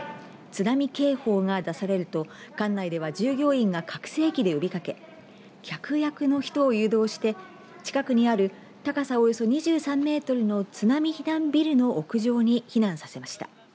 津波警報が出されると館内では従業員が拡声機で呼びかけ客役の人を誘導して近くにある高さおよそ２３メートルの津波避難ビルの屋上に避難させました。